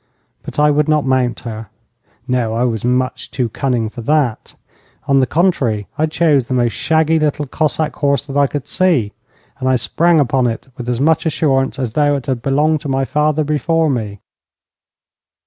But I would not mount her. No. I was much too cunning for that. On the contrary, I chose the most shaggy little Cossack horse that I could see, and I sprang upon it with as much assurance as though it had belonged to my father before me.